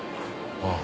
ああ。